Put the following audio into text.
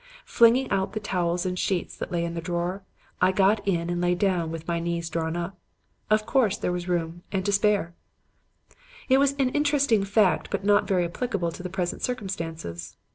Flinging out the towels and sheets that lay in the drawer, I got in and lay down with my knees drawn up. Of course there was room and to spare. "It was an interesting fact but not very applicable to present circumstances.